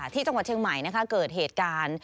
ที่จังหวัดเชียงใหม่เกิดเหตุการณ์